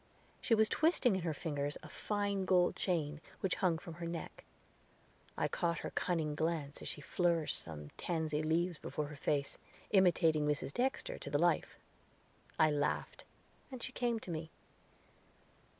She was twisting in her fingers a fine gold chain, which hung from her neck. I caught her cunning glance as she flourished some tansy leaves before her face, imitating Mrs. Dexter to the life. I laughed, and she came to me.